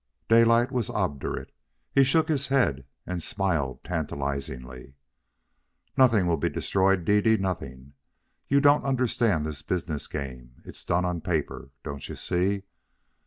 Daylight was obdurate. He shook his head and smiled tantalizingly. "Nothing will be destroyed, Dede, nothing. You don't understand this business game. It's done on paper. Don't you see?